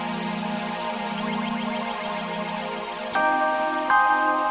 maaf karena saya gak bisa menjaga kesetiaan